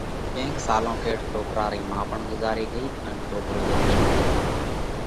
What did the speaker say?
ڪينڪ سالون ڪيڙ سوڪرا رئِي مان پڻ ڳُزاري ڳئِي ان سوڪرو يتِيم ٿي ڳيو۔